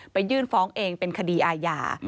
ยื่นฟ้องเองเป็นคดีอาญา